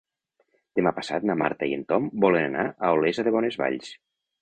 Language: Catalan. Demà passat na Marta i en Tom volen anar a Olesa de Bonesvalls.